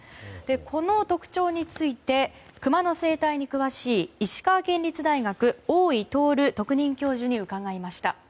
この特徴についてクマの生態に詳しい石川県立大学大井徹特任教授に伺いました。